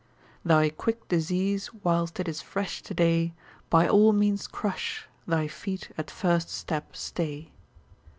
Thy quick disease, whilst it is fresh today, By all means crush, thy feet at first step stay.